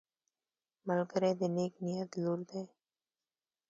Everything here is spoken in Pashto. ملګری د نیک نیت لور دی